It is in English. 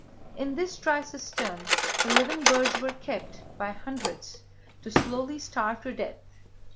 In this dry cistern the living birds were kept by hundreds to slowly starve to death.